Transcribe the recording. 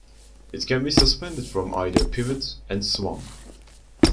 It can be suspended from either pivot and swung.